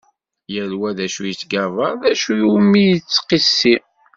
Yal wa d acu yettgabar, d acu iwumi yettqissi.